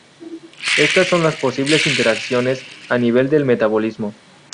Estas son las posibles interacciones a nivel del metabolismo.